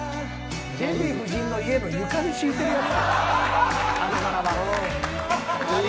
デヴィ夫人の家の床に敷いているやつ。